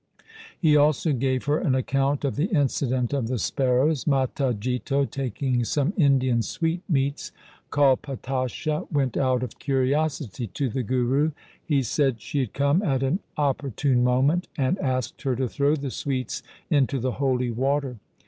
He also gave her an account of the incident of the sparrows. Mata Jito, taking some Indian sweetmeats called patasha, went out of curiosity to the Guru. He said she had come at an opportune moment, and asked her to throw the sweets into the holy water.